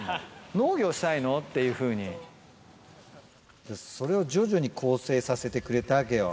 農業したいの？というふうに、それを徐々に更生させてくれたわけよ。